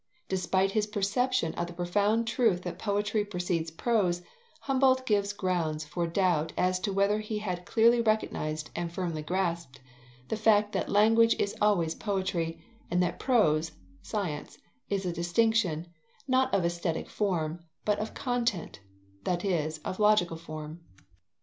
Despite his perception of the profound truth that poetry precedes prose, Humboldt gives grounds for doubt as to whether he had clearly recognized and firmly grasped the fact that language is always poetry, and that prose (science) is a distinction, not of aesthetic form, but of content, that is, of logical form.